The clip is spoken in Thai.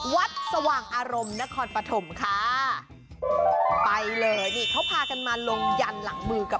วัดสว่างอารมณ์นครปฐมค่ะ